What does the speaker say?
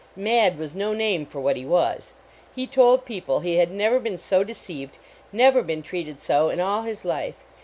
Mad was no name for what he was. He told people he had never been so deceived, never been treated so in all his life.